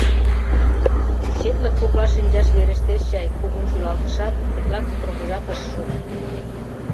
Четлык коклаш шинчаш верештеш чай, — кугун шӱлалтышат, тетла кутырымыжат ыш шу.